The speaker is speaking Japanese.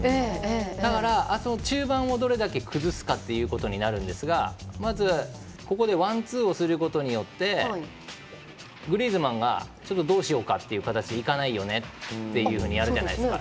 だから、中盤をどれだけ崩すかになるんですがまず、ワンツーをすることでグリーズマンがどうしようかという形行かないよねってなるじゃないですか。